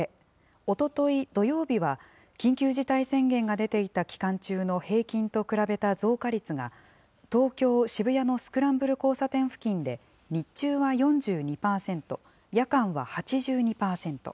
おととい土曜日は、緊急事態宣言が出ていた期間中の平均と比べた増加率が、東京・渋谷のスクランブル交差点付近で日中は４２％、夜間は８２％。